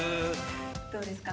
どうですかね？